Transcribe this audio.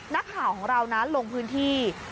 นักข่าวของเรานั้นลงพื้นที่